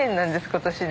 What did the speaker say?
今年で。